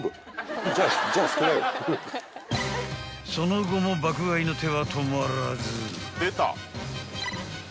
［その後も爆買いの手は止まらず］